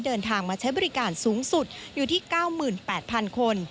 เดินทางมาใช้บริการสูงสุดอยู่ที่๙๘๐๐๐คน